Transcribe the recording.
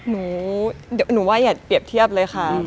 มึงได้เห็นไหม